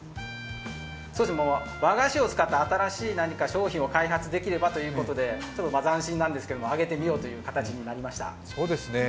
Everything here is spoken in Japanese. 和菓子を使った新しい商品を開発できればということでちょっと斬新なんですけど、揚げてみようという形になりました。